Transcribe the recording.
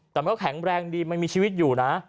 แต่มันก็แข็งแรงดีมันมีชีวิตอยู่นะ